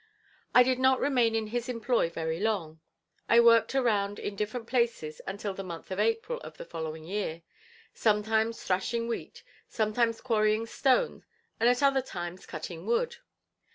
I did not remain in his employ very long. I worked around in different places until the month of April of the following year, sometimes thrashing wheat, sometimes quarrying stone and at other times cutting wood.